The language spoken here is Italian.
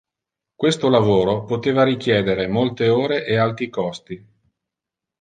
Questo lavoro poteva richiedere molte ore e alti costi.